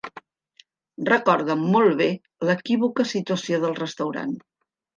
Recorda molt bé l'equívoca situació del restaurant.